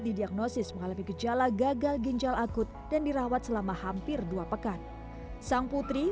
didiagnosis mengalami gejala gagal ginjal akut dan dirawat selama hampir dua pekan sang putri